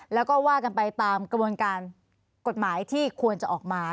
แล้วก็ว่ากันไปตามกระบวนการกฎหมายที่ควรจะออกมา